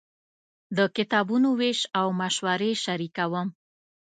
د کتابونو وېش او مشورې شریکوم.